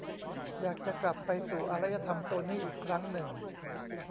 อยากจะกลับไปสู่อารยธรรมโซนี่อีกครั้งหนึ่ง